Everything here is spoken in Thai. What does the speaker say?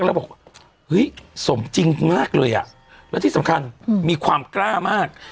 แล้วบอกเฮ้ยสมจริงมากเลยอ่ะแล้วที่สำคัญมีความกล้ามาก